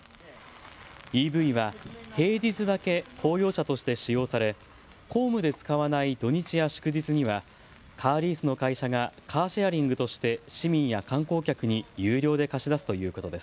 ＥＶは平日だけ公用車として使用され公務で使わない土日や祝日にはカーリースの会社がカーシェアリングとして市民や観光客に有料で貸し出すということです。